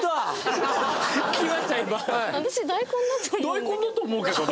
「大根だと思うけどな」。